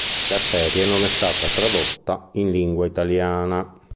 La serie non è stata tradotta in lingua italiana.